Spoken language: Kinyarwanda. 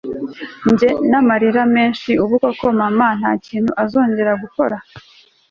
Njye namarira menshi ubu koko mama ntakintu azongera gukora